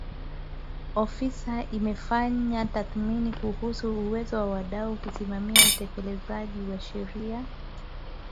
Ofisi imefanya tathmini kuhusu uwezo wa wadau kusimamia utekelezaji wa Sheria